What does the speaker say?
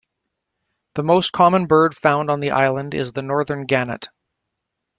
The most common bird found on the island is the northern gannet.